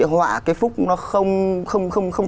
họa cái phúc nó không